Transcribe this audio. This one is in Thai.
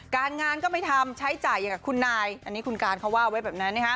การงานก็ไม่ทำใช้จ่ายอย่างกับคุณนายอันนี้คุณการเขาว่าไว้แบบนั้นนะฮะ